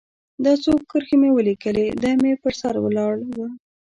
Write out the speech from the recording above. دا څو کرښې مې ولیکلې، دی مې پر سر ولاړ و.